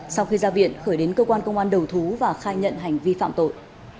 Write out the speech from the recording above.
sau khi ra viện khởi đến cơ quan công an đầu thú và khai nhận hành vi phạm tội